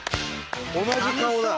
同じ顔だ。